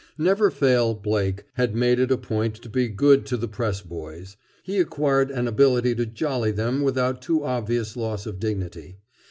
For Never Fail Blake had made it a point to be good to the press boys. He acquired an ability to "jolly" them without too obvious loss of dignity.